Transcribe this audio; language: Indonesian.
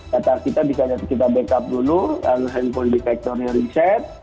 data kita kita backup dulu lalu handphone di factory reset